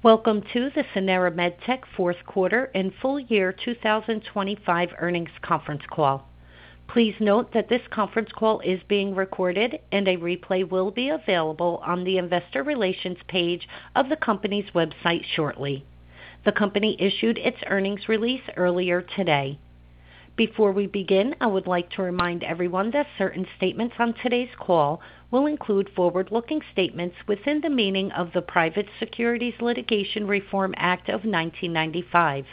Welcome to the Sanara MedTech fourth quarter and full year 2025 earnings conference call. Please note that this conference call is being recorded and a replay will be available on the investor relations page of the company's website shortly. The company issued its earnings release earlier today. Before we begin, I would like to remind everyone that certain statements on today's call will include forward-looking statements within the meaning of the Private Securities Litigation Reform Act of 1995.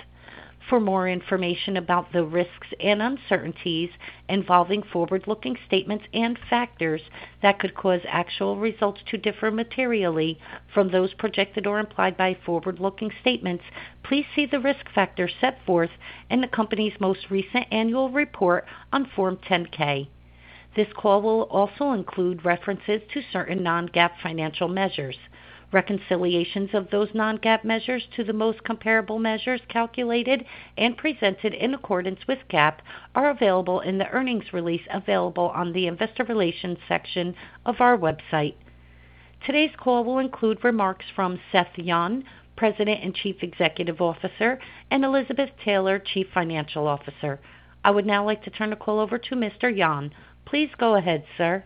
For more information about the risks and uncertainties involving forward-looking statements and factors that could cause actual results to differ materially from those projected or implied by forward-looking statements, please see the risk factors set forth in the company's most recent annual report on Form 10-K. This call will also include references to certain non-GAAP financial measures. Reconciliations of those non-GAAP measures to the most comparable measures calculated and presented in accordance with GAAP are available in the earnings release available on the investor relations section of our website. Today's call will include remarks from Seth Yon, President and Chief Executive Officer, and Elizabeth Taylor, Chief Financial Officer. I would now like to turn the call over to Mr. Yon. Please go ahead, sir.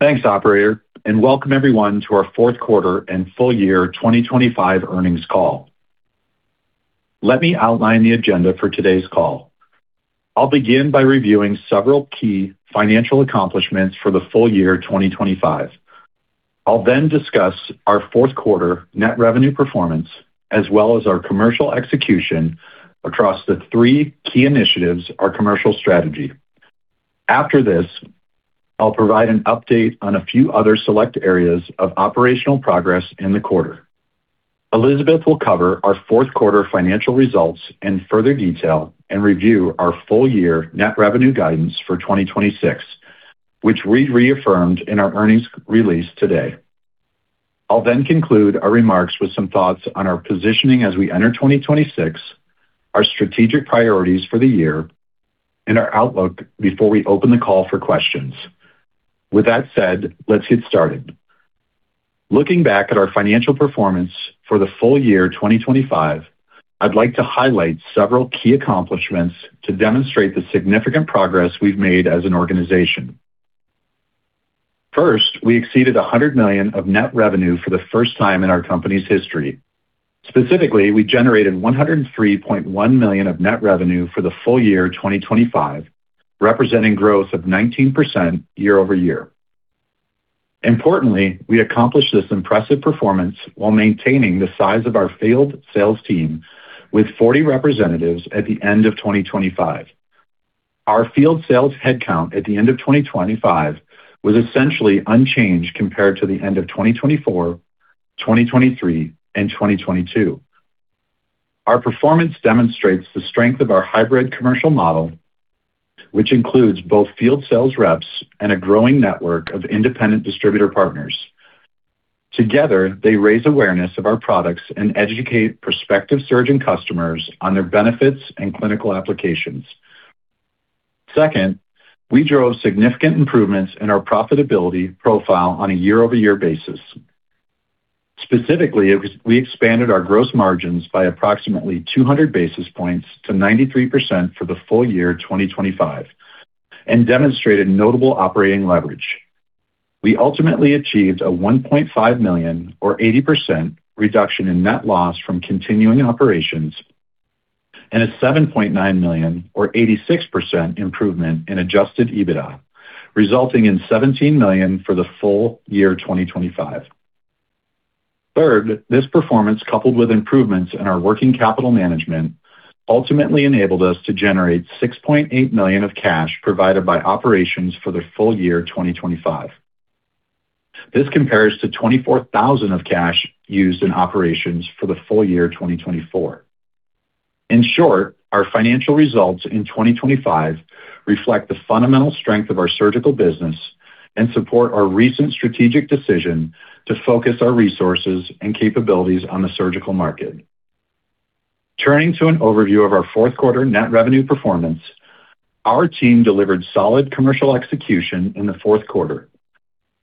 Thanks, operator, and welcome everyone to our fourth quarter and full year 2025 earnings call. Let me outline the agenda for today's call. I'll begin by reviewing several key financial accomplishments for the full year 2025. I'll then discuss our fourth quarter net revenue performance as well as our commercial execution across the three key initiatives, our commercial strategy. After this, I'll provide an update on a few other select areas of operational progress in the quarter. Elizabeth will cover our fourth quarter financial results in further detail and review our full year net revenue guidance for 2026, which we reaffirmed in our earnings release today. I'll then conclude our remarks with some thoughts on our positioning as we enter 2026, our strategic priorities for the year, and our outlook before we open the call for questions. With that said, let's get started. Looking back at our financial performance for the full year 2025, I'd like to highlight several key accomplishments to demonstrate the significant progress we've made as an organization. First, we exceeded $100 million of net revenue for the first time in our company's history. Specifically, we generated $103.1 million of net revenue for the full year 2025, representing growth of 19% year-over-year. Importantly, we accomplished this impressive performance while maintaining the size of our field sales team with 40 representatives at the end of 2025. Our field sales headcount at the end of 2025 was essentially unchanged compared to the end of 2024, 2023, and 2022. Our performance demonstrates the strength of our hybrid commercial model, which includes both field sales reps and a growing network of independent distributor partners. Together, they raise awareness of our products and educate prospective surgeon customers on their benefits and clinical applications. Second, we drove significant improvements in our profitability profile on a year-over-year basis. Specifically, we expanded our gross margins by approximately 200 basis points to 93% for the full year 2025 and demonstrated notable operating leverage. We ultimately achieved a $1.5 million or 80% reduction in net loss from continuing operations and a $7.9 million or 86% improvement in adjusted EBITDA, resulting in $17 million for the full year 2025. Third, this performance, coupled with improvements in our working capital management, ultimately enabled us to generate $6.8 million of cash provided by operations for the full year 2025. This compares to $24,000 of cash used in operations for the full year 2024. In short, our financial results in 2025 reflect the fundamental strength of our surgical business and support our recent strategic decision to focus our resources and capabilities on the surgical market. Turning to an overview of our fourth quarter net revenue performance, our team delivered solid commercial execution in the fourth quarter,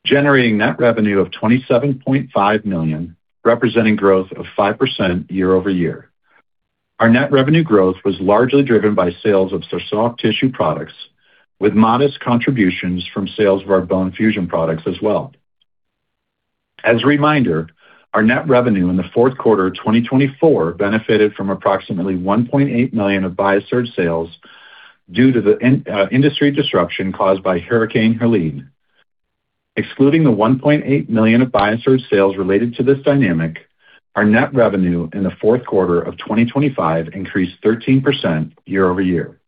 generating net revenue of $27.5 million, representing growth of 5% year-over-year. Our net revenue growth was largely driven by sales of soft tissue products, with modest contributions from sales of our bone fusion products as well. As a reminder, our net revenue in the fourth quarter of 2024 benefited from approximately $1.8 million of BIASURGE sales due to the industry disruption caused by Hurricane Helene. Excluding the $1.8 million of BIASURGE sales related to this dynamic, our net revenue in the fourth quarter of 2025 increased 13% year-over-year.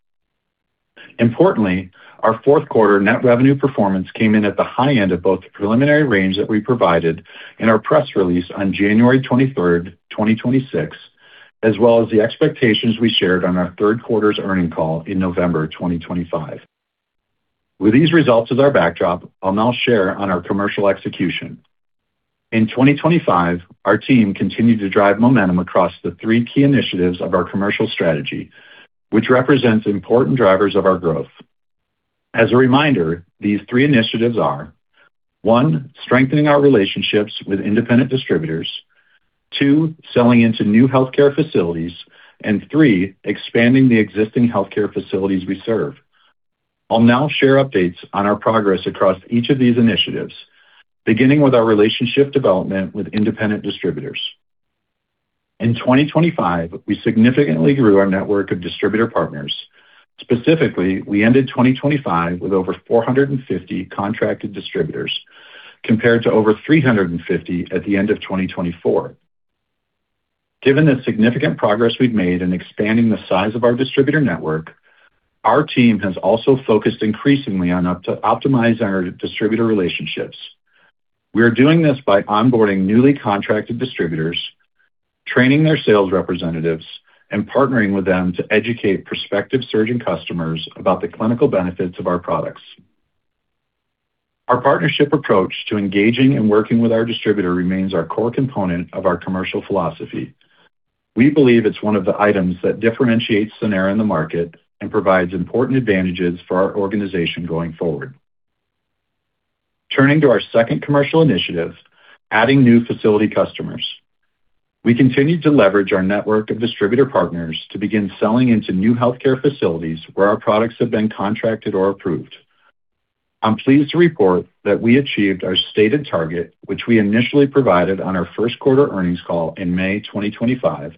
Importantly, our fourth quarter net revenue performance came in at the high end of both the preliminary range that we provided in our press release on January 23rd, 2026, as well as the expectations we shared on our third quarter's earnings call in November 2025. With these results as our backdrop, I'll now share on our commercial execution. In 2025, our team continued to drive momentum across the three key initiatives of our commercial strategy, which represents important drivers of our growth. As a reminder, these three initiatives are one, strengthening our relationships with independent distributors. Two, selling into new healthcare facilities. And three, expanding the existing healthcare facilities we serve. I'll now share updates on our progress across each of these initiatives, beginning with our relationship development with independent distributors. In 2025, we significantly grew our network of distributor partners. Specifically, we ended 2025 with over 450 contracted distributors, compared to over 350 at the end of 2024. Given the significant progress we've made in expanding the size of our distributor network, our team has also focused increasingly on how to optimize our distributor relationships. We are doing this by onboarding newly contracted distributors, training their sales representatives, and partnering with them to educate prospective surgeon customers about the clinical benefits of our products. Our partnership approach to engaging and working with our distributor remains our core component of our commercial philosophy. We believe it's one of the items that differentiates Sanara in the market and provides important advantages for our organization going forward. Turning to our second commercial initiative, adding new facility customers. We continued to leverage our network of distributor partners to begin selling into new healthcare facilities where our products have been contracted or approved. I'm pleased to report that we achieved our stated target, which we initially provided on our first quarter earnings call in May 2025,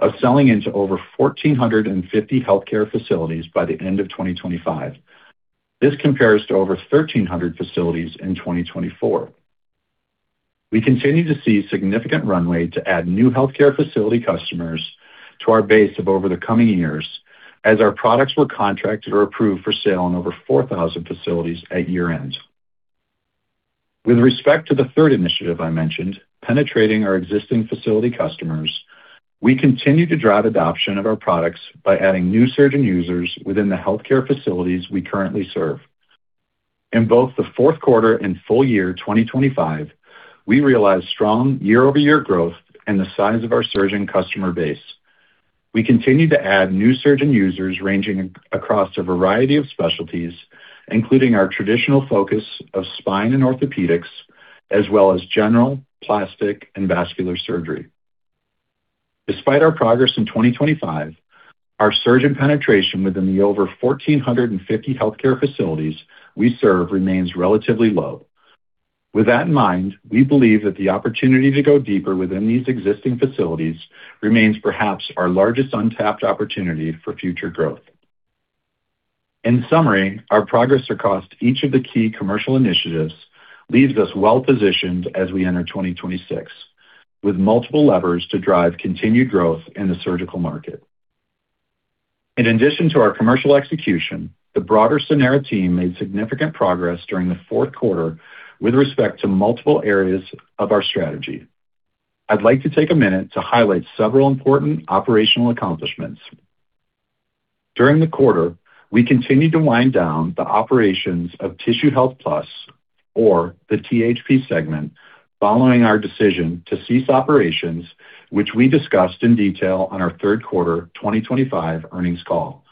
of selling into over 1,450 healthcare facilities by the end of 2025. This compares to over 1,300 facilities in 2024. We continue to see significant runway to add new healthcare facility customers to our base over the coming years as our products were contracted or approved for sale in over 4,000 facilities at year-end. With respect to the third initiative I mentioned, penetrating our existing facility customers, we continue to drive adoption of our products by adding new surgeon users within the healthcare facilities we currently serve. In both the fourth quarter and full year 2025, we realized strong year-over-year growth in the size of our surgeon customer base. We continue to add new surgeon users ranging across a variety of specialties, including our traditional focus of spine and orthopedics, as well as general, plastic, and vascular surgery. Despite our progress in 2025, our surgeon penetration within the over 1,450 healthcare facilities we serve remains relatively low. With that in mind, we believe that the opportunity to go deeper within these existing facilities remains perhaps our largest untapped opportunity for future growth. In summary, our progress across each of the key commercial initiatives leaves us well-positioned as we enter 2026, with multiple levers to drive continued growth in the surgical market. In addition to our commercial execution, the broader Sanara team made significant progress during the fourth quarter with respect to multiple areas of our strategy. I'd like to take a minute to highlight several important operational accomplishments. During the quarter, we continued to wind down the operations of Tissue Health Plus, or the THP segment, following our decision to cease operations, which we discussed in detail on our third quarter 2025 earnings call.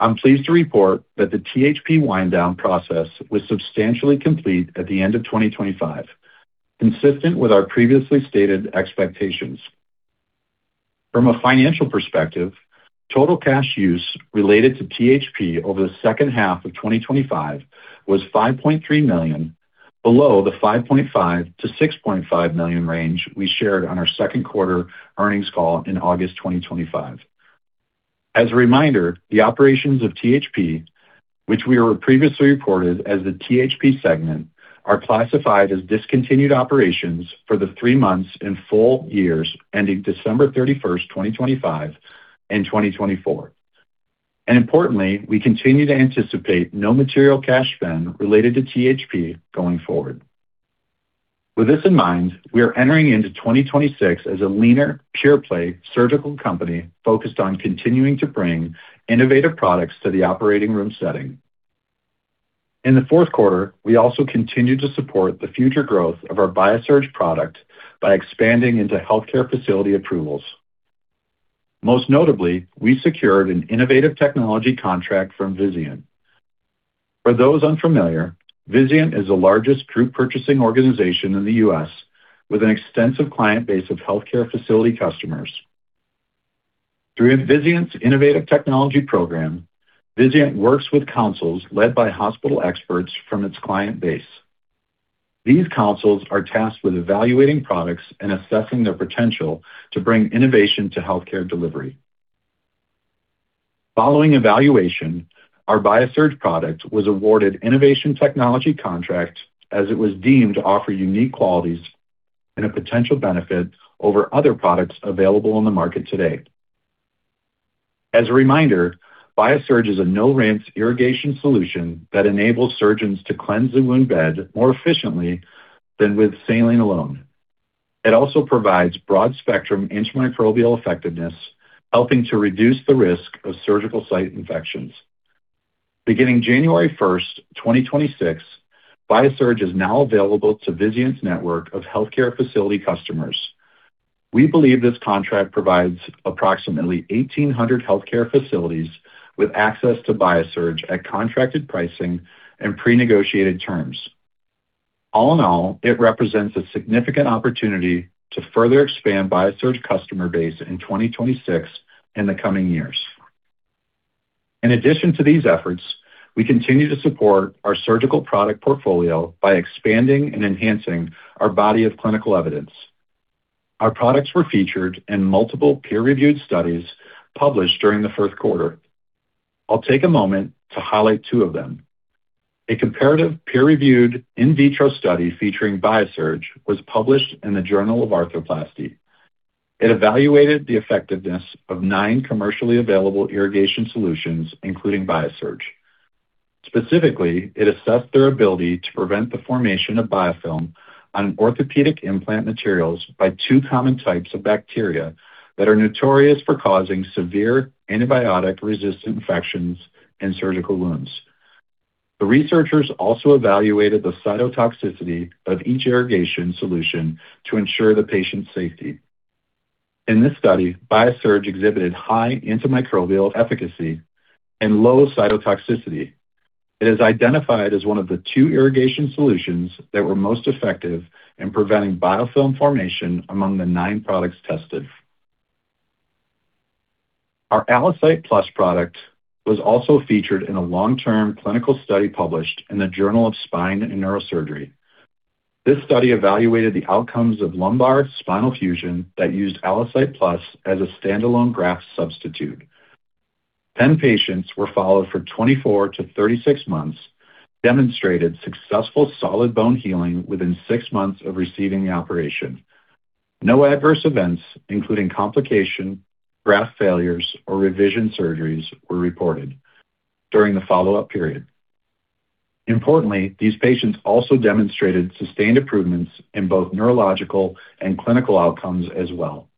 I'm pleased to report that the THP wind down process was substantially complete at the end of 2025, consistent with our previously stated expectations. From a financial perspective, total cash use related to THP over the second half of 2025 was $5.3 million, below the $5.5 million-$6.5 million range we shared on our second quarter earnings call in August 2025. As a reminder, the operations of THP, which we were previously reported as the THP segment, are classified as discontinued operations for the three months and full years ending December 31st, 2025 and 2024. Importantly, we continue to anticipate no material cash spend related to THP going forward. With this in mind, we are entering into 2026 as a leaner, pure-play surgical company focused on continuing to bring innovative products to the operating room setting. In the fourth quarter, we also continued to support the future growth of our BIASURGE product by expanding into healthcare facility approvals. Most notably, we secured an Innovative Technology contract from Vizient. For those unfamiliar, Vizient is the largest group purchasing organization in the U.S., with an extensive client base of healthcare facility customers. Through Vizient's Innovative Technology program, Vizient works with councils led by hospital experts from its client base. These councils are tasked with evaluating products and assessing their potential to bring innovation to healthcare delivery. Following evaluation, our BIASURGE product was awarded Innovative Technology contract as it was deemed to offer unique qualities and a potential benefit over other products available on the market today. As a reminder, BIASURGE is a no-rinse irrigation solution that enables surgeons to cleanse the wound bed more efficiently than with saline alone. It also provides broad-spectrum antimicrobial effectiveness, helping to reduce the risk of surgical site infections. Beginning January 1st, 2026, BIASURGE is now available to Vizient's network of healthcare facility customers. We believe this contract provides approximately 1,800 healthcare facilities with access to BIASURGE at contracted pricing and pre-negotiated terms. All in all, it represents a significant opportunity to further expand BIASURGE customer base in 2026 and the coming years. In addition to these efforts, we continue to support our surgical product portfolio by expanding and enhancing our body of clinical evidence. Our products were featured in multiple peer-reviewed studies published during the first quarter. I'll take a moment to highlight two of them. A comparative peer-reviewed in vitro study featuring BIASURGE was published in the Journal of Arthroplasty. It evaluated the effectiveness of nine commercially available irrigation solutions, including BIASURGE. Specifically, it assessed their ability to prevent the formation of biofilm on orthopedic implant materials by two common types of bacteria that are notorious for causing severe antibiotic-resistant infections in surgical wounds. The researchers also evaluated the cytotoxicity of each irrigation solution to ensure the patient's safety. In this study, BIASURGE exhibited high antimicrobial efficacy and low cytotoxicity. It is identified as one of the two irrigation solutions that were most effective in preventing biofilm formation among the nine products tested. Our ALLOCYTE Plus product was also featured in a long-term clinical study published in the Journal of Spine and Neurosurgery. This study evaluated the outcomes of lumbar spinal fusion that used ALLOCYTE Plus as a standalone graft substitute. 10 patients were followed for 24-36 months and demonstrated successful solid bone healing within six months of receiving the operation. No adverse events, including complications, graft failures, or revision surgeries were reported during the follow-up period. Importantly, these patients also demonstrated sustained improvements in both neurological and clinical outcomes as well.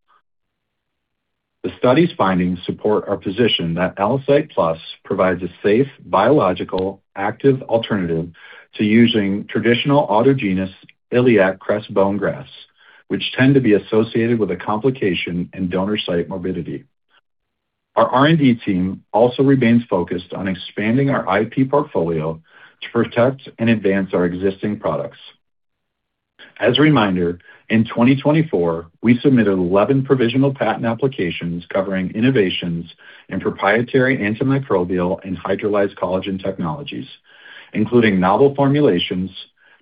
The study's findings support our position that ALLOCYTE Plus provides a safe, biological, active alternative to using traditional autogenous iliac crest bone grafts, which tend to be associated with complications in donor site morbidity. Our R&D team also remains focused on expanding our IP portfolio to protect and advance our existing products. As a reminder, in 2024, we submitted 11 provisional patent applications covering innovations in proprietary antimicrobial and hydrolyzed collagen technologies, including novel formulations,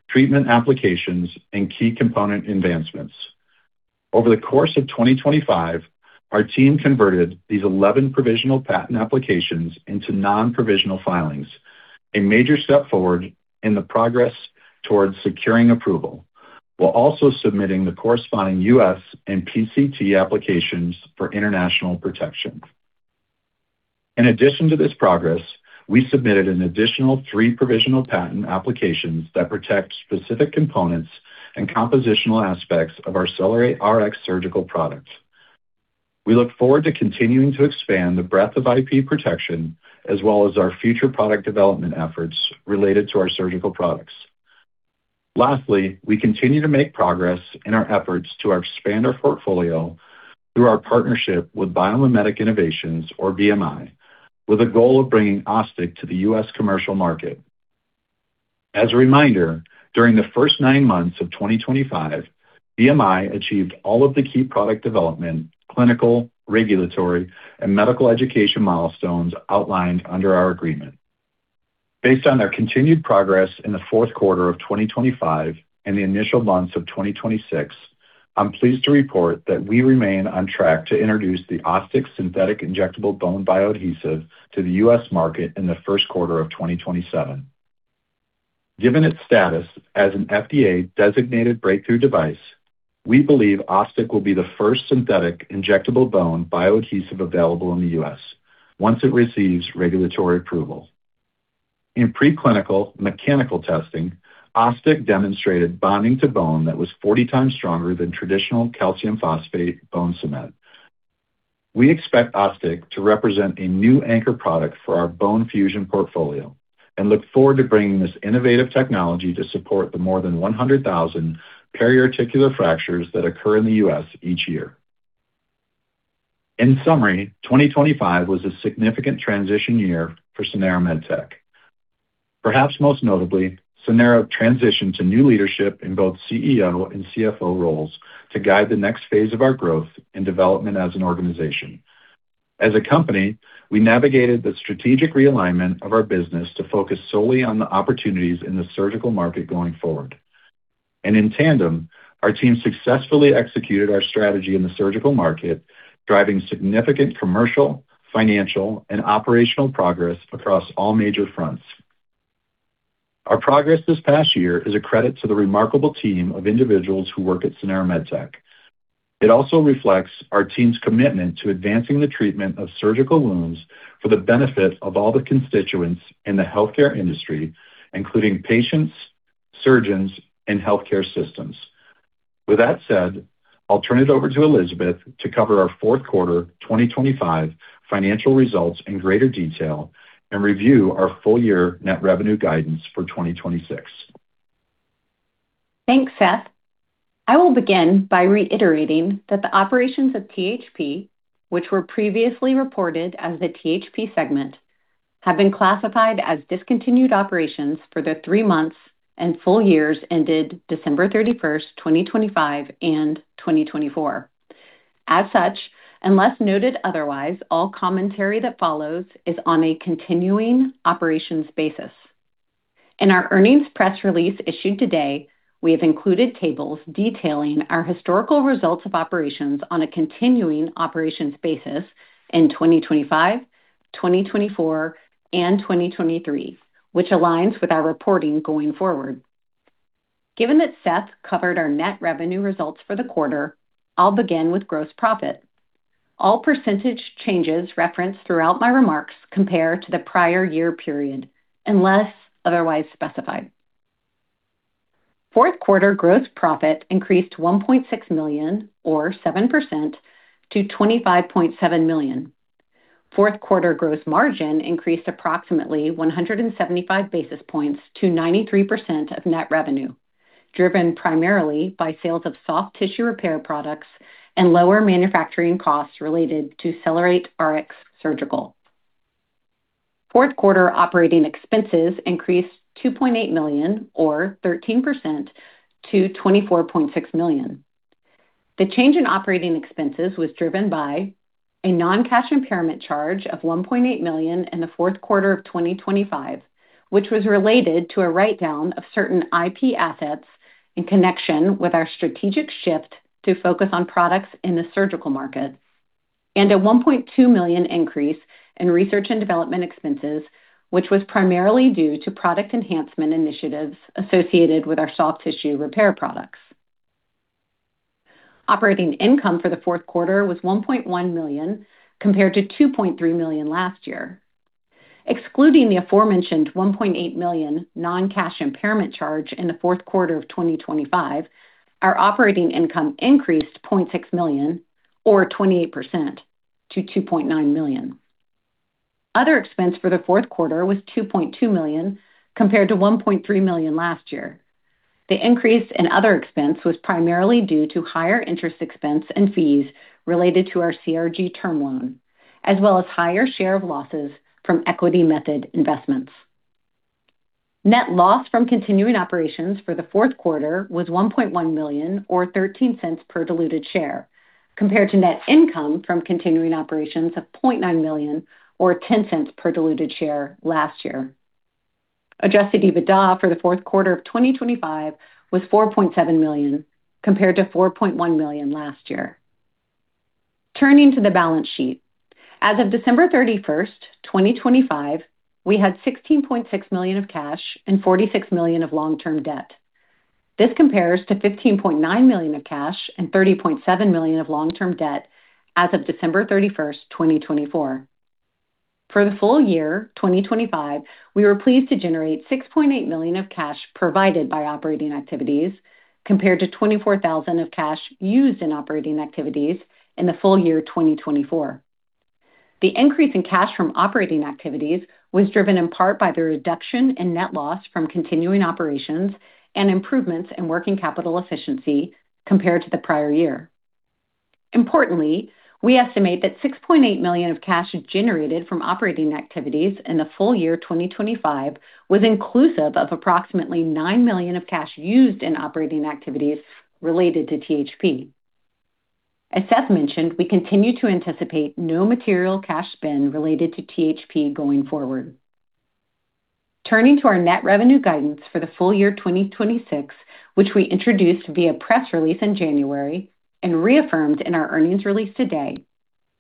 treatment applications, and key component advancements. Over the course of 2025, our team converted these 11 provisional patent applications into non-provisional filings, a major step forward in the progress towards securing approval, while also submitting the corresponding U.S. and PCT applications for international protection. In addition to this progress, we submitted an additional three provisional patent applications that protect specific components and compositional aspects of our CellerateRX Surgical products. We look forward to continuing to expand the breadth of IP protection as well as our future product development efforts related to our surgical products. Lastly, we continue to make progress in our efforts to expand our portfolio through our partnership with Biomimetic Innovations, or BMI, with a goal of bringing OsStic to the U.S. commercial market. As a reminder, during the first nine months of 2025, BMI achieved all of the key product development, clinical, regulatory, and medical education milestones outlined under our agreement. Based on their continued progress in the fourth quarter of 2025 and the initial months of 2026, I'm pleased to report that we remain on track to introduce the OsStic synthetic injectable bone bioadhesive to the U.S. market in the first quarter of 2027. Given its status as an FDA-designated Breakthrough Device, we believe OsStic will be the first synthetic injectable bone bioadhesive available in the U.S. once it receives regulatory approval. In preclinical mechanical testing, OsStic demonstrated bonding to bone that was 40 times stronger than traditional calcium phosphate bone cement. We expect OsStic to represent a new anchor product for our bone fusion portfolio and look forward to bringing this innovative technology to support the more than 100,000 periarticular fractures that occur in the U.S. each year. In summary, 2025 was a significant transition year for Sanara MedTech. Perhaps most notably, Sanara transitioned to new leadership in both CEO and CFO roles to guide the next phase of our growth and development as an organization. As a company, we navigated the strategic realignment of our business to focus solely on the opportunities in the surgical market going forward. In tandem, our team successfully executed our strategy in the surgical market, driving significant commercial, financial, and operational progress across all major fronts. Our progress this past year is a credit to the remarkable team of individuals who work at Sanara MedTech. It also reflects our team's commitment to advancing the treatment of surgical wounds for the benefit of all the constituents in the healthcare industry, including patients, surgeons, and healthcare systems. With that said, I'll turn it over to Elizabeth to cover our fourth quarter 2025 financial results in greater detail and review our full year net revenue guidance for 2026. Thanks, Seth. I will begin by reiterating that the operations of THP, which were previously reported as the THP segment, have been classified as discontinued operations for the three months and full years ended December 31st, 2025 and 2024. As such, unless noted otherwise, all commentary that follows is on a continuing operations basis. In our earnings press release issued today, we have included tables detailing our historical results of operations on a continuing operations basis in 2025, 2024, and 2023, which aligns with our reporting going forward. Given that Seth covered our net revenue results for the quarter, I'll begin with gross profit. All percentage changes referenced throughout my remarks compare to the prior year period, unless otherwise specified. Fourth quarter gross profit increased $1.6 million or 7% to $25.7 million. Fourth quarter gross margin increased approximately 175 basis points to 93% of net revenue, driven primarily by sales of soft tissue repair products and lower manufacturing costs related to CellerateRX Surgical. Fourth quarter operating expenses increased $2.8 million or 13% to $24.6 million. The change in operating expenses was driven by a non-cash impairment charge of $1.8 million in the fourth quarter of 2025, which was related to a write-down of certain IP assets in connection with our strategic shift to focus on products in the surgical market, and a $1.2 million increase in research and development expenses, which was primarily due to product enhancement initiatives associated with our soft tissue repair products. Operating income for the fourth quarter was $1.1 million compared to $2.3 million last year. Excluding the aforementioned $1.8 million non-cash impairment charge in the fourth quarter of 2025, our operating income increased $0.6 million or 28% to $2.9 million. Other expense for the fourth quarter was $2.2 million compared to $1.3 million last year. The increase in other expense was primarily due to higher interest expense and fees related to our CRG term loan, as well as higher share of losses from equity method investments. Net loss from continuing operations for the fourth quarter was $1.1 million or $0.13 per diluted share, compared to net income from continuing operations of $0.9 million or $0.10 per diluted share last year. Adjusted EBITDA for the fourth quarter of 2025 was $4.7 million, compared to $4.1 million last year. Turning to the balance sheet. As of December 31st, 2025, we had $16.6 million of cash and $46 million of long-term debt. This compares to $15.9 million of cash and $30.7 million of long-term debt as of December 31st, 2024. For the full year 2025, we were pleased to generate $6.8 million of cash provided by operating activities, compared to $24,000 of cash used in operating activities in the full year 2024. The increase in cash from operating activities was driven in part by the reduction in net loss from continuing operations and improvements in working capital efficiency compared to the prior year. Importantly, we estimate that $6.8 million of cash generated from operating activities in the full year 2025 was inclusive of approximately $9 million of cash used in operating activities related to THP. As Seth mentioned, we continue to anticipate no material cash spend related to THP going forward. Turning to our net revenue guidance for the full year 2026, which we introduced via press release in January and reaffirmed in our earnings release today,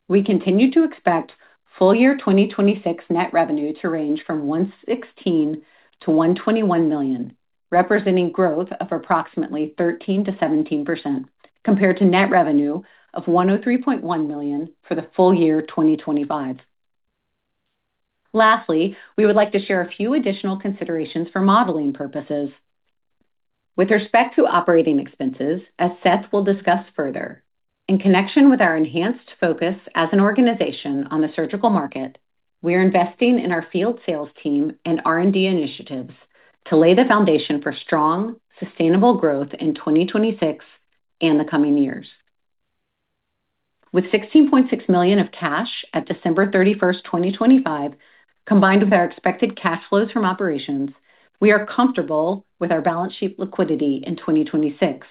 we continue to expect full year 2026 net revenue to range from $116 million-$121 million, representing growth of approximately 13%-17% compared to net revenue of $103.1 million for the full year 2025. Lastly, we would like to share a few additional considerations for modeling purposes. With respect to operating expenses, as Seth will discuss further, in connection with our enhanced focus as an organization on the surgical market, we are investing in our field sales team and R&D initiatives to lay the foundation for strong, sustainable growth in 2026 and the coming years. With $16.6 million of cash at December 31st, 2025, combined with our expected cash flows from operations, we are comfortable with our balance sheet liquidity in 2026.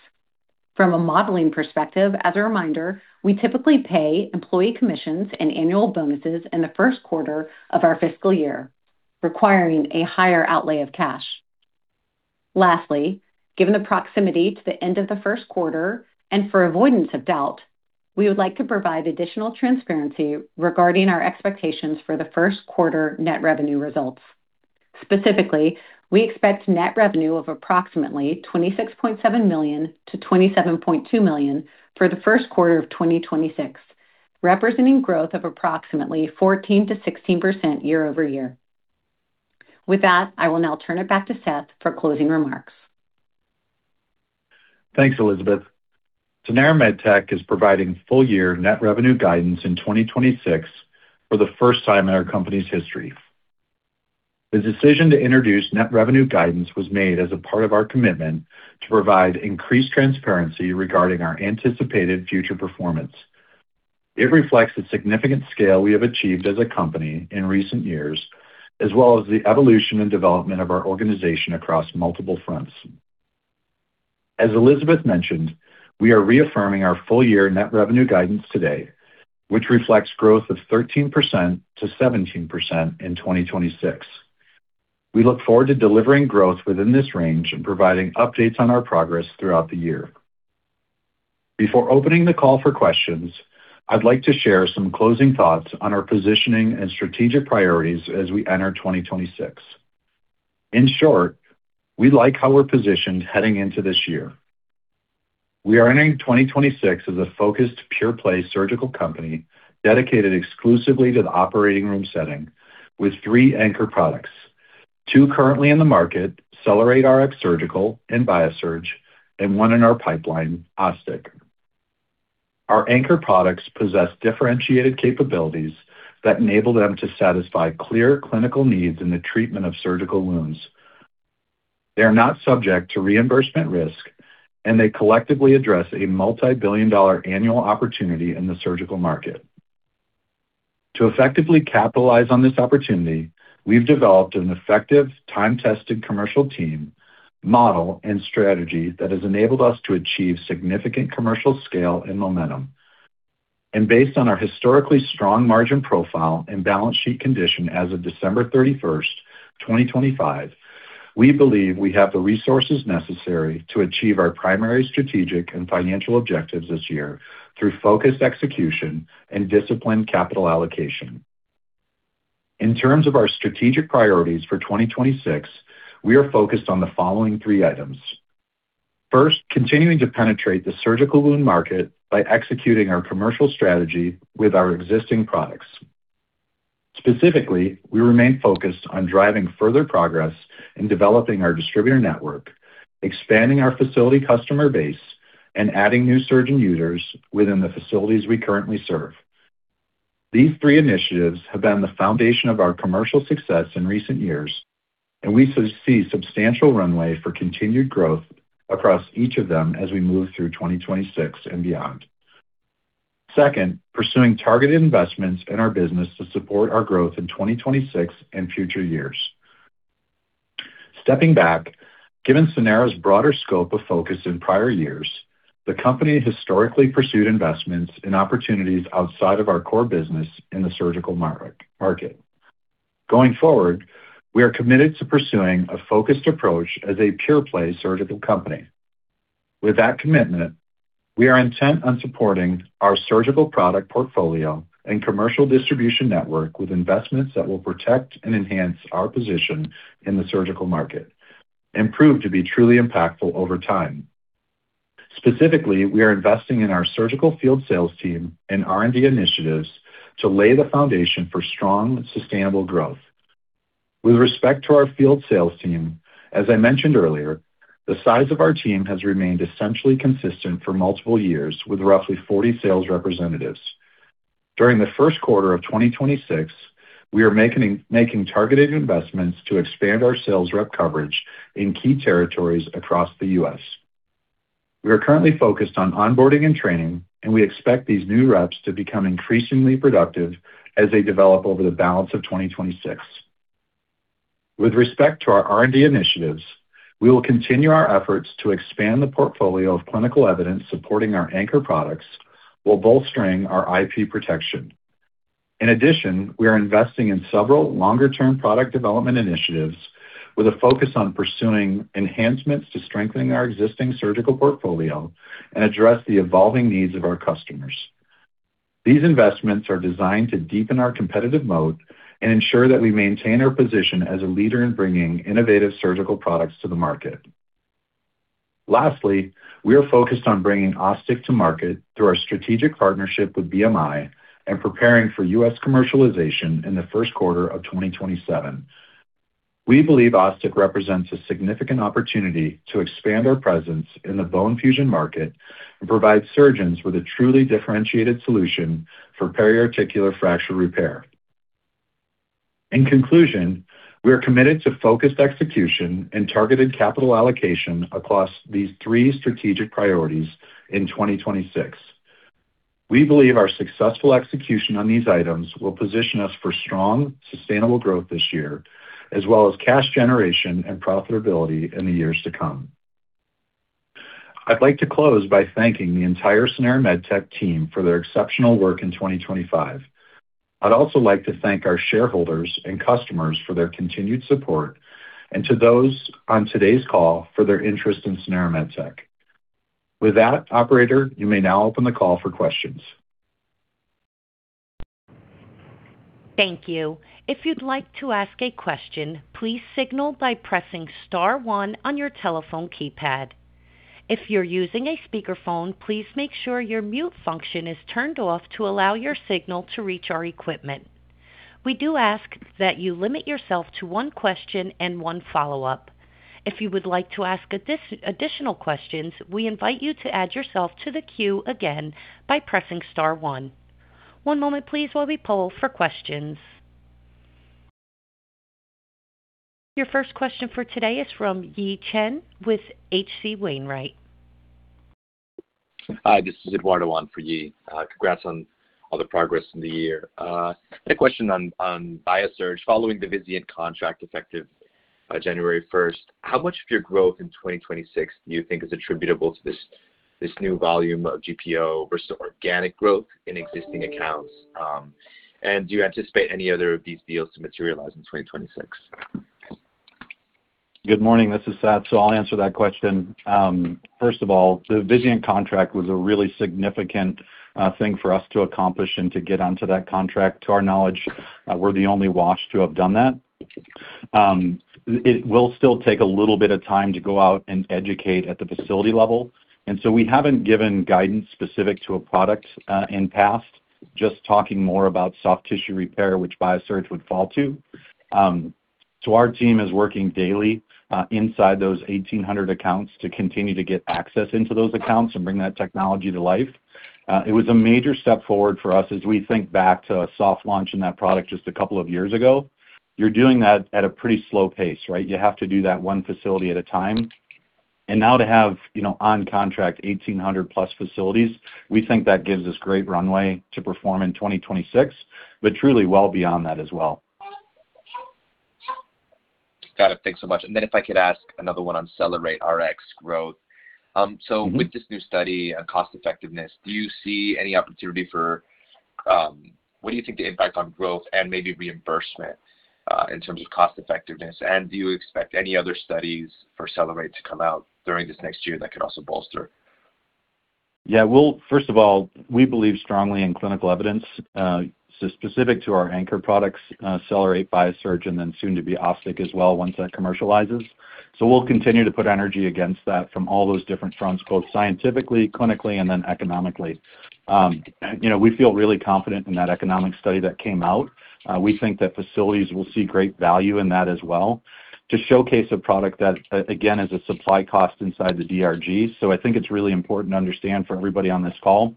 From a modeling perspective, as a reminder, we typically pay employee commissions and annual bonuses in the first quarter of our fiscal year, requiring a higher outlay of cash. Lastly, given the proximity to the end of the first quarter and for avoidance of doubt, we would like to provide additional transparency regarding our expectations for the first quarter net revenue results. Specifically, we expect net revenue of approximately $26.7 million-$27.2 million for the first quarter of 2026, representing growth of approximately 14%-16% year-over-year. With that, I will now turn it back to Seth for closing remarks. Thanks, Elizabeth. Sanara MedTech is providing full year net revenue guidance in 2026 for the first time in our company's history. The decision to introduce net revenue guidance was made as a part of our commitment to provide increased transparency regarding our anticipated future performance. It reflects the significant scale we have achieved as a company in recent years, as well as the evolution and development of our organization across multiple fronts. As Elizabeth mentioned, we are reaffirming our full year net revenue guidance today, which reflects growth of 13%-17% in 2026. We look forward to delivering growth within this range and providing updates on our progress throughout the year. Before opening the call for questions, I'd like to share some closing thoughts on our positioning and strategic priorities as we enter 2026. In short, we like how we're positioned heading into this year. We are entering 2026 as a focused, pure play surgical company dedicated exclusively to the operating room setting with three anchor products. Two currently in the market, CellerateRX Surgical and BIASURGE, and one in our pipeline, OsStic. Our anchor products possess differentiated capabilities that enable them to satisfy clear clinical needs in the treatment of surgical wounds. They are not subject to reimbursement risk, and they collectively address a multi-billion-dollar annual opportunity in the surgical market. To effectively capitalize on this opportunity, we've developed an effective time-tested commercial team, model, and strategy that has enabled us to achieve significant commercial scale and momentum. Based on our historically strong margin profile and balance sheet condition as of December 31st, 2025, we believe we have the resources necessary to achieve our primary strategic and financial objectives this year through focused execution and disciplined capital allocation. In terms of our strategic priorities for 2026, we are focused on the following three items. First, continuing to penetrate the surgical wound market by executing our commercial strategy with our existing products. Specifically, we remain focused on driving further progress in developing our distributor network, expanding our facility customer base, and adding new surgeon users within the facilities we currently serve. These three initiatives have been the foundation of our commercial success in recent years, and we see substantial runway for continued growth across each of them as we move through 2026 and beyond. Second, pursuing targeted investments in our business to support our growth in 2026 and future years. Stepping back, given Sanara's broader scope of focus in prior years, the company historically pursued investments in opportunities outside of our core business in the surgical market. Going forward, we are committed to pursuing a focused approach as a pure play surgical company. With that commitment, we are intent on supporting our surgical product portfolio and commercial distribution network with investments that will protect and enhance our position in the surgical market and prove to be truly impactful over time. Specifically, we are investing in our surgical field sales team and R&D initiatives to lay the foundation for strong and sustainable growth. With respect to our field sales team, as I mentioned earlier, the size of our team has remained essentially consistent for multiple years with roughly 40 sales representatives. During the first quarter of 2026, we are making targeted investments to expand our sales rep coverage in key territories across the U.S. We are currently focused on onboarding and training, and we expect these new reps to become increasingly productive as they develop over the balance of 2026. With respect to our R&D initiatives, we will continue our efforts to expand the portfolio of clinical evidence supporting our anchor products while bolstering our IP protection. In addition, we are investing in several longer-term product development initiatives with a focus on pursuing enhancements to strengthening our existing surgical portfolio and address the evolving needs of our customers. These investments are designed to deepen our competitive moat and ensure that we maintain our position as a leader in bringing innovative surgical products to the market. Lastly, we are focused on bringing OsStic to market through our strategic partnership with BMI and preparing for U.S. commercialization in the first quarter of 2027. We believe OsStic represents a significant opportunity to expand our presence in the bone fusion market and provide surgeons with a truly differentiated solution for periarticular fracture repair. In conclusion, we are committed to focused execution and targeted capital allocation across these three strategic priorities in 2026. We believe our successful execution on these items will position us for strong, sustainable growth this year as well as cash generation and profitability in the years to come. I'd like to close by thanking the entire Sanara MedTech team for their exceptional work in 2025. I'd also like to thank our shareholders and customers for their continued support and to those on today's call for their interest in Sanara MedTech. With that, operator, you may now open the call for questions. Thank you. If you'd like to ask a question, please signal by pressing star one on your telephone keypad. If you're using a speakerphone, please make sure your mute function is turned off to allow your signal to reach our equipment. We do ask that you limit yourself to one question and one follow-up. If you would like to ask additional questions, we invite you to add yourself to the queue again by pressing star one. One moment please while we poll for questions. Your first question for today is from Yi Chen with H.C. Wainwright. Hi, this is Eduardo on for Yi. Congrats on all the progress in the year. I had a question on BIASURGE. Following the Vizient contract effective January 1st, how much of your growth in 2026 do you think is attributable to this new volume of GPO versus organic growth in existing accounts? Do you anticipate any other of these deals to materialize in 2026? Good morning. This is Seth. I'll answer that question. First of all, the Vizient contract was a really significant thing for us to accomplish and to get onto that contract. To our knowledge, we're the only one to have done that. It will still take a little bit of time to go out and educate at the facility level, and so we haven't given guidance specific to a product in the past, just talking more about soft tissue repair, which BIASURGE would fall into. Our team is working daily inside those 1,800 accounts to continue to get access into those accounts and bring that technology to life. It was a major step forward for us as we think back to a soft launch in that product just a couple of years ago. You're doing that at a pretty slow pace, right? You have to do that one facility at a time. Now to have, you know, on contract 1,800+ facilities, we think that gives us great runway to perform in 2026, but truly well beyond that as well. Got it. Thanks so much. If I could ask another one on CellerateRX growth. With this new study on cost effectiveness, do you see any opportunity for what you think the impact on growth and maybe reimbursement in terms of cost effectiveness? Do you expect any other studies for CellerateRX to come out during this next year that could also bolster? First of all, we believe strongly in clinical evidence specific to our anchor products, CellerateRX, BIASURGE, and then soon to be OsStic as well once that commercializes. We'll continue to put energy against that from all those different fronts, both scientifically, clinically, and then economically. You know, we feel really confident in that economic study that came out. We think that facilities will see great value in that as well to showcase a product that, again, is a supply cost inside the DRG. I think it's really important to understand for everybody on this call,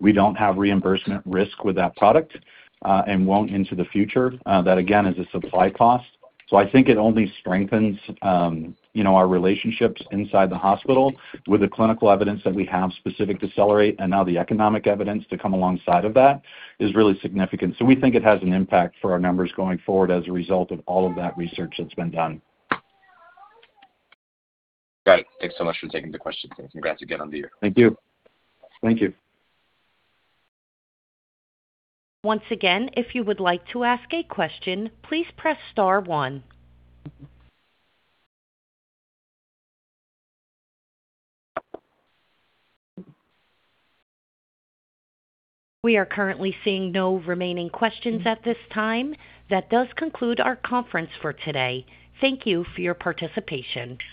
we don't have reimbursement risk with that product, and won't into the future. That again is a supply cost. I think it only strengthens, you know, our relationships inside the hospital with the clinical evidence that we have specific to CellerateRX and now the economic evidence to come alongside of that is really significant. We think it has an impact for our numbers going forward as a result of all of that research that's been done. Great. Thanks so much for taking the question. Congrats again on the year. Thank you. Thank you. Once again, if you would like to ask a question, please press star one. We are currently seeing no remaining questions at this time. That does conclude our conference for today. Thank you for your participation.